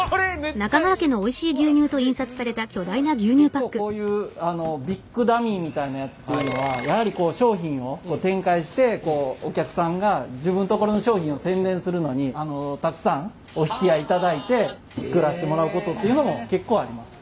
結構こういうビッグダミーみたいなやつっていうのはやはり商品を展開してお客さんが自分のところの商品を宣伝するのにたくさんお引き合いいただいて作らせてもらうことっていうのも結構あります。